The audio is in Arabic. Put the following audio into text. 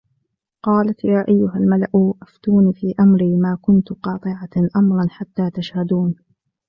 قَالَتْ يَا أَيُّهَا الْمَلَأُ أَفْتُونِي فِي أَمْرِي مَا كُنْتُ قَاطِعَةً أَمْرًا حَتَّى تَشْهَدُونِ